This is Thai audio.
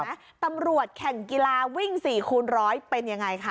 ตำรวจแข่งกีฬาวิ่ง๔คูณร้อยเป็นยังไงคะ